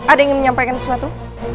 ada yang ingin menyampaikan sesuatu